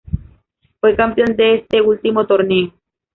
Fue campeón de este último torneo.